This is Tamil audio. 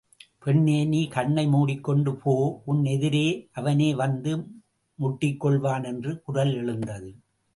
பெண்ணே நீ கண்ணை மூடிக்கொண்டு போ உன் எதிரே அவனே வந்து முட்டிக் கொள்வான் என்று குரல் எழுந்தது.